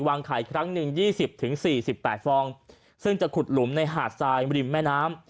วางไข่ครั้งหนึ่ง๒๐๔๘ฟองซึ่งจะขุดหลุมในหาดทรายริมแม่น้ำ